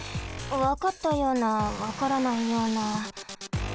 わかったようなわからないような。